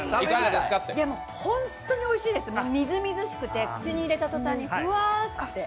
でも本当においしいですみずみずしくて口に入れたとたん、ふわって。